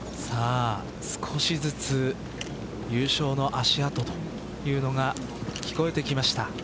さあ少しずつ優勝の足音というのが聞こえてきました。